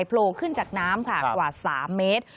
โผล่ขึ้นจากน้ำค่ะกว่า๓เมตร